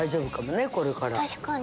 確かに。